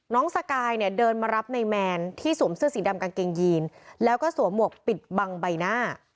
สกายเนี่ยเดินมารับในแมนที่สวมเสื้อสีดำกางเกงยีนแล้วก็สวมหมวกปิดบังใบหน้า